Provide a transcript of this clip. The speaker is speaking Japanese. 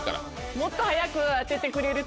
もっと早く当ててくれると。